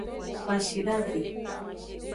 Kwashidave.